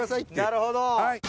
なるほど。